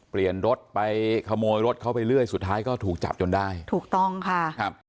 เปลี่ยนรถไปขโมยรถเขาไปเรื่อยสุดท้ายก็ถูกจับจนได้ถูกต้องค่ะครับ